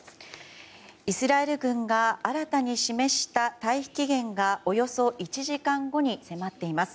イスラエル軍が新たに示した退避期限がおよそ１時間後に迫っています。